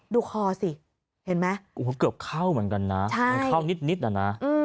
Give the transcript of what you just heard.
ดูคอสิเห็นมั้ยเกือบเข้าเหมือนกันนะเข้านิดอ่ะนะ